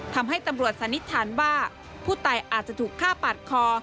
ทำให้ตำรวจสันนิษฐานว่าผู้ตายอาจจะถูกฆ่าปาดคอ